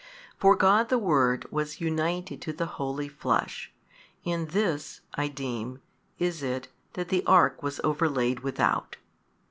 For God the Word was united to the holy Flesh, and this (I deem) is it that the ark was overlaid without.